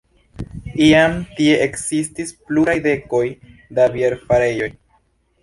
Iam tie ekzistis pluraj dekoj da bierfarejoj.